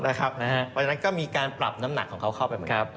นะครับวันนั้นก็มีการปรับน้ำหนักของเขาเข้าไปไหม